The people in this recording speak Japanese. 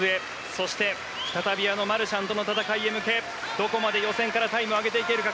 そして、再びマルシャンとの戦いに向けどこまで予選からタイムを上げていけるか。